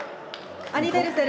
アニヴェルセル